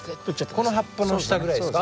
この葉っぱの下ぐらいですか？